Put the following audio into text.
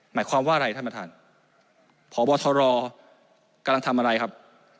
หมายความว่าอะไรท่านประธานพบทรกำลังทำอะไรครับ